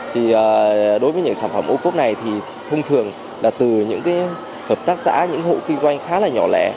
thì đối với những sản phẩm ô cốp này thì thông thường là từ những hợp tác xã những hộ kinh doanh khá là nhỏ lẻ